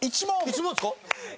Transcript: １問ですか？